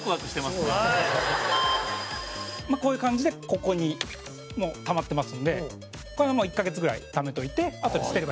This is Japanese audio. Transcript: かじがや：こういう感じでここに、もう、たまってますのでこれは、もう、１カ月ぐらいためといて、あとで捨てれば。